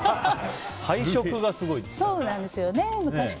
配色がすごいですね。